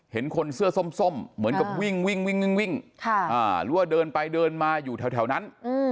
เห็นคนเสื้อส้มเหมือนกับวิ่งวิ่งหรือว่าเดินไปเดินมาอยู่แถวนั้น